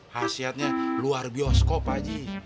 hasilnya luar bioskop pak haji